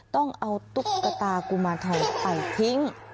ต้องเอาตุ๊กตากุมารทองไปทิ้ง